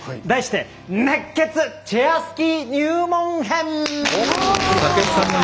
題して「熱血！チェアスキー入門編」。